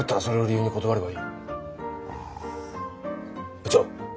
部長。